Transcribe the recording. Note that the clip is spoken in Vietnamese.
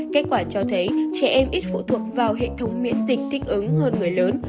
kết quả cho thấy trẻ em ít phụ thuộc vào hệ thống miễn dịch thích ứng hơn người lớn